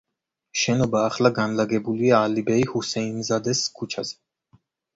შენობა ახლა განლაგებულია ალიბეი ჰუსეინზადეს ქუჩაზე.